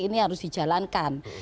ini harus dijalankan